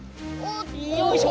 よいしょ！